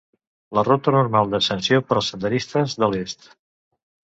La ruta normal d'ascensió per als senderistes de l'est.